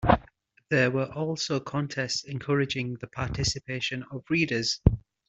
There were also contests encouraging the participation of readers.